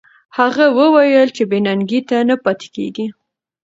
هغې وویل چې بې ننګۍ ته نه پاتې کېږي.